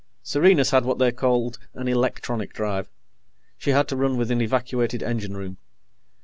Serenus had what they called an electronic drive. She had to run with an evacuated engine room.